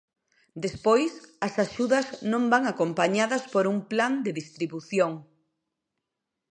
Despois, as axudas non van acompañadas por un plan de distribución.